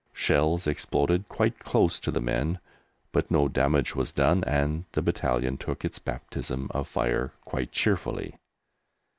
Shells exploded quite close to the men, but no damage was done, and the battalion took its baptism of fire quite cheerfully.